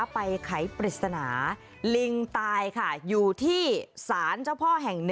ไปไขประชุณาลิงตายอยู่ที่ศาลเจ้าพ่อแห่ง๑